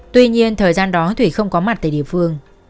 tuy nhiên thời gian đó thủy không có mặt tại địa phương